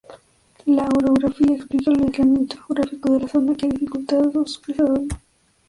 La orografía explica el aislamiento geográfico de la zona, que ha dificultado su desarrollo.